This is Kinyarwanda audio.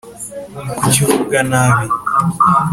Kuki uvuga ntabi